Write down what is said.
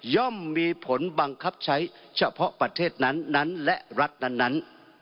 ่อมมีผลบังคับใช้เฉพาะประเทศนั้นนั้นและรัฐนั้น